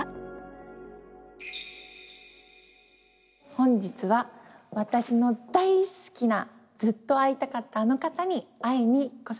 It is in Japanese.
本日は私の大好きなずっと会いたかったあの方に会いに来さして頂きました。